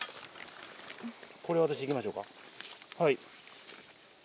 これ私いきましょうかはい。